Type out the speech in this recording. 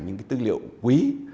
những cái tư liệu quý